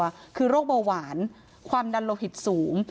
คือโรคเบาหวานความดันโลหิตสูง